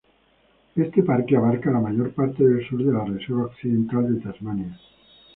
Este parque abarca la mayor parte del sur de la Reserva Occidental de Tasmania.